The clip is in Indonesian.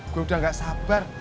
gue udah gak sabar